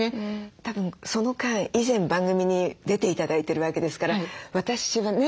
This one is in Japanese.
たぶんその間以前番組に出て頂いてるわけですから私はね